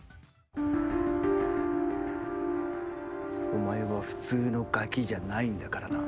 お前は普通のガキじゃないんだからな。